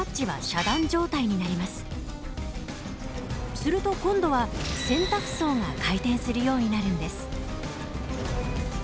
すると今度は洗濯槽が回転するようになるんです。